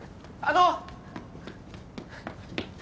あの！